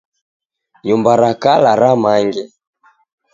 Nyumba ra kala ramange.